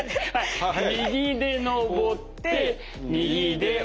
右で上って右で下りる。